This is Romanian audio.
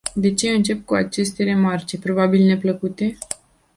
De ce încep cu aceste remarce, probabil neplăcute?